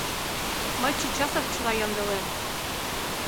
Мый чечасак чыла ямдылем.